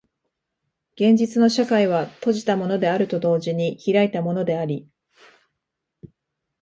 現実の社会は閉じたものであると同時に開いたものであり、